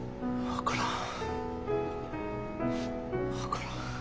分からん。